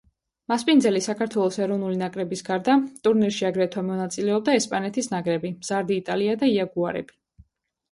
მასპინძელი საქართველოს ეროვნული ნაკრების გარდა, ტურნირში აგრეთვე მონაწილეობდა ესპანეთის ნაკრები, მზარდი იტალია და იაგუარები.